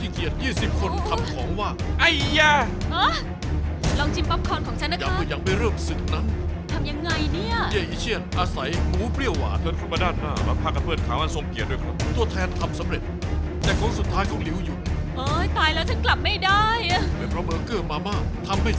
คุณป้านสำเร็จอันหนึ่งแล้วครับหมูตากแห้งเนี่ย